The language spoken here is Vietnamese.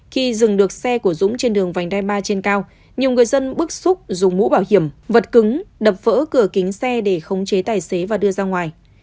khi dừng được xe của dũng trên đường vành đai ba trên cao nhiều người dân bức xúc dùng mũ bảo hiểm vật cứng đập vỡ cửa kính xe để khống chế tài xế và đưa ra ngoài